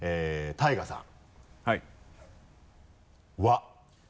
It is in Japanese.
ＴＡＩＧＡさん